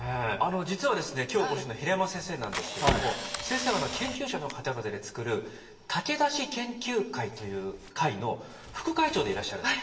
実は今日お越しの平山先生なんですけれども先生は研究者の方々で作る「武田氏研究会」という会の副会長でいらっしゃる。